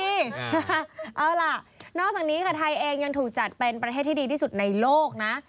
เอาล่ะนอกจากนี้ค่ะไทยเองยังถูกจัดเป็นประเทศที่ดีที่สุดในโลกนะ